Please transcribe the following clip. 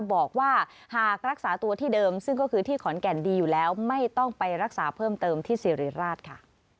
บอกว่าหากรักษาตัวที่เดิมซึ่งก็คือที่ขอนแก่นดีอยู่แล้วไม่ต้องไปรักษาเพิ่มเติมที่สิริราชค่ะ